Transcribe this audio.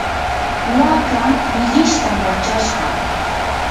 waaka millishtam wachashqa.